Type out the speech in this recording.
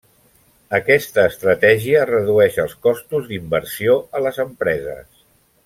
Aquesta estratègia redueix els costos d'inversió a les empreses.